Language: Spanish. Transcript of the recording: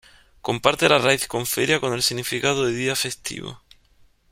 Comparte la raíz con feria con el significado de día festivo.